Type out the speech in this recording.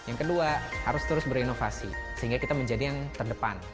yang kedua harus terus berinovasi sehingga kita menjadi yang terdepan